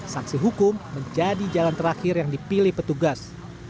sanksi hukum menjadi jalan terakhir yang dipilih petugas